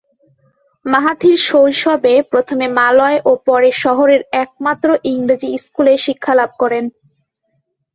Mahathir শৈশবে প্রথমে Malay ও পরে শহরের একমাত্র ইংরেজি স্কুলে শিক্ষা লাভ করেন।